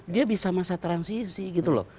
dia bisa masa transisi gitu loh